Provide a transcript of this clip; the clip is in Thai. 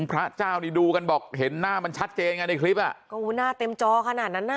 พระเจ้านี่ดูกันบอกเห็นหน้ามันชัดเจนไงในคลิปอ่ะก็หน้าเต็มจอขนาดนั้นน่ะ